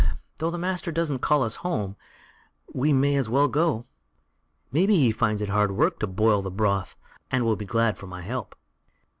though the master doesn't call us home, we may as well go. Maybe he finds it hard work to boil the broth, and will be glad of my help."